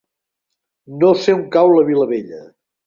No sé on cau la Vilavella.